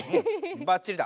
ばっちりだ。